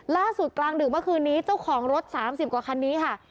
ล่าสุดกลางดึกเมื่อคืนนี้เจ้าของรถสามสิบกว่าคันนี้ค่ะ